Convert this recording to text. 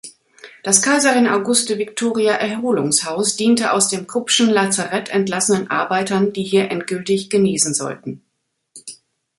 Das Kaiserin-Auguste-Viktoria-Erholungshaus diente aus dem Kruppschen Lazarett entlassenen Arbeitern, die hier endgültig genesen sollten.